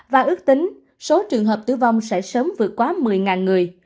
và ước tính số trường hợp tử vong sẽ sớm vượt quá một mươi người